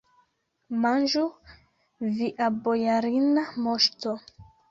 Manĝu, via bojarina moŝto!